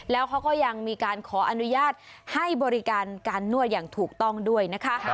แล้วเขาก็ยังมีการขออนุญาตให้บริการการนวดอย่างถูกต้องด้วยนะคะ